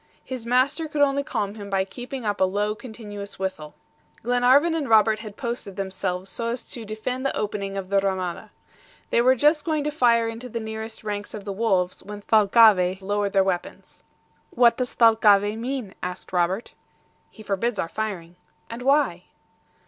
His master could only calm him by keeping up a low, continuous whistle. Glenarvan and Robert had posted themselves so as to defend the opening of the RAMADA. They were just going to fire into the nearest ranks of the wolves when Thalcave lowered their weapons. "What does Thalcave mean?" asked Robert. "He forbids our firing." "And why?"